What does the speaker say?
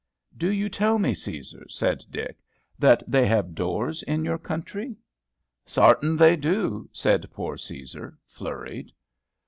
"Do you tell me, Cæsar," said Dick, "that they have doors in your country?" "Sartin, they do," said poor Cæsar, flurried.